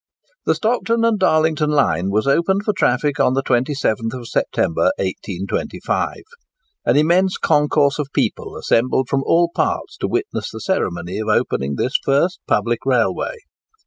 The Stockton and Darlington line was opened for traffic on the 27th September, 1825. An immense concourse of people assembled from all parts to witness the ceremony of opening this first public railway.